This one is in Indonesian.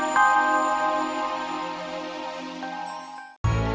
mba abe dulu lagi